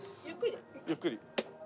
ゆっくりで。